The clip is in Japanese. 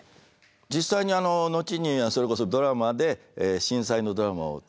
実際に後にそれこそドラマで震災のドラマをやりましたので。